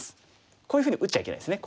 こういうふうに打っちゃいけないですね。